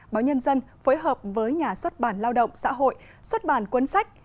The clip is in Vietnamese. báo nhân dân phối hợp với nhà xuất bản lao động xã hội xuất bản cuốn sách